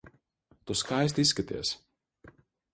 Tu skaisti izskaties.